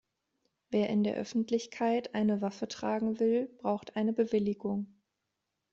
Wer in der Öffentlichkeit eine Waffe tragen will, braucht eine Bewilligung.